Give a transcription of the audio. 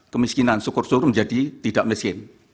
kemiskinan sukursur menjadi tidak miskin